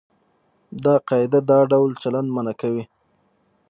دا قاعده دا ډول چلند منع کوي.